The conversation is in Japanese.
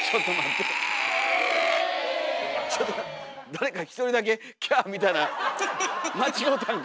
誰か一人だけキャーみたいな間違うたんか。